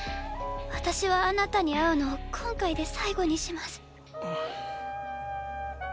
私はあなたに会うのを今回で最後にします！